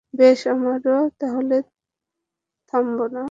বেশ, আমরাও তাহলে থামবো না।